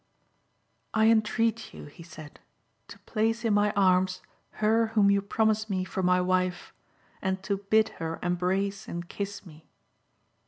" I entreat you," he said, "to place in my arms her whom you promise me for my wife, and to bid her embrace and kiss me."